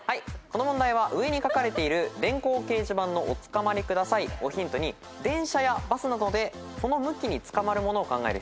この問題は上に書かれている電光掲示板の「おつかまりください」をヒントに電車やバスなどでその向きにつかまるものを考える必要がありました。